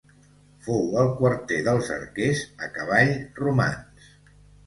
Fou el quarter dels arquers a cavall romans.